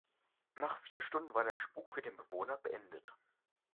Nach vier Stunden war der Spuck für den Bewohner beendet.